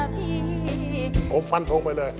โพร่มันโพร่มไปเลย